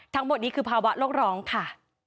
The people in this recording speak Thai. ทั้งหมดนี้คือภาวะโลกร้องค่ะ